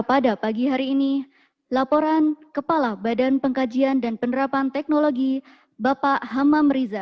pada pagi hari ini laporan kepala badan pengkajian dan penerapan teknologi bapak hamam riza